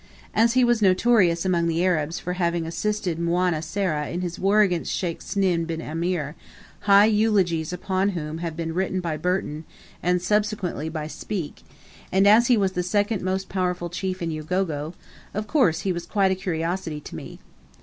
As he was notorious among the Arabs for having assisted Manwa Sera in his war against Sheikh Sny bin Amer, high eulogies upon whom have been written by Burton, and subsequently by Speke, and as he was the second most powerful chief in Ugogo, of course he was quite a curiosity to me.